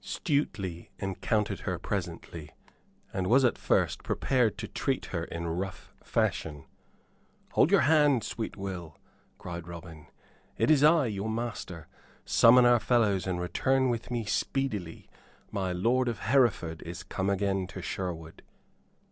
Stuteley encountered her presently, and was at first prepared to treat her in rough fashion. "Hold your hand, sweet Will," cried Robin, "it is I, your master. Summon our fellows, and return with me speedily. My lord of Hereford is come again to Sherwood."